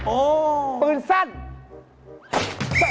โอ้ปืนสั้น